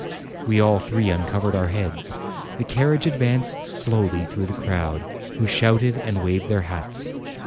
We all three uncovered our heads. The carriage advanced slowly through the crowd, who shouted and waved their hats.